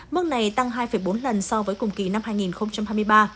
mức này tăng hai bốn lần so với cùng kỳ năm hai nghìn hai mươi ba